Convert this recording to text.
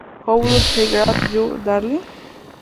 How Does That Grab You, Darlin'?